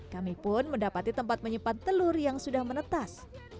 kami pun mendapati tempat menyimpan telur yang sudah menetas